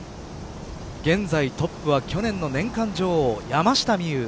現在トップは去年の年間女王山下美夢有。